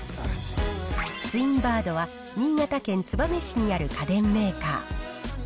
ツインバードは、新潟県燕市にある家電メーカー。